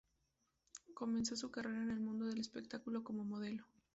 Comenzó su carrera en el mundo del espectáculo como modelo.